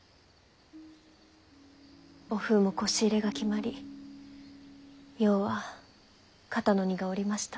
おふうもこし入れが決まり葉は肩の荷が下りました。